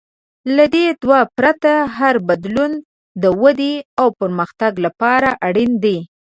له دې دوو پرته، هر بدلون د ودې او پرمختګ لپاره اړین دی.